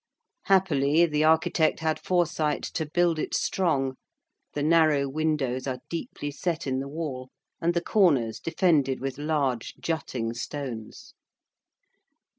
Happily, the architect had foresight to build it strong: the narrow windows are deeply set in the wall, and the corners defended with large jutting stones.